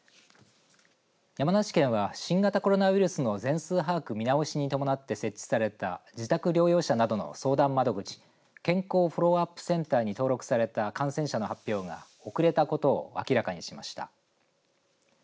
山梨県は、新型コロナウイルスの全数把握の見直しに伴って設置された自宅療養者などの相談窓口健康フォローアップセンターに登録された感染者の発表が遅れたことを明らかにしました。